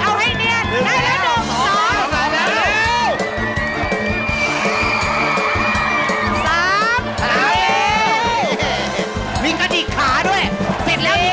เอาให้เนียนเอาให้เนียนได้แล้วหนู